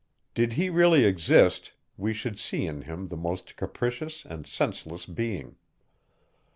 Did he really exist, we should see in him the most capricious, and senseless being.